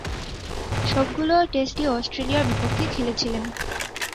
সবগুলো টেস্টই অস্ট্রেলিয়ার বিপক্ষে খেলেছিলেন।